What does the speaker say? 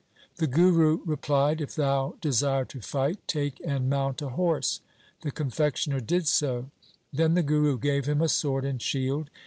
The Guru replied, ' If thou desire to fight, take and mount a horse.' The confectioner did so. Then the Guru gave him a sword and shield.